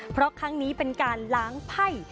เพราะครั้งนี้เป็นการล้างไพ่